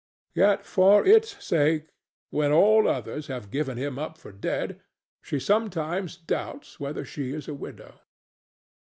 Yet for its sake, when all others have given him up for dead, she sometimes doubts whether she is a widow.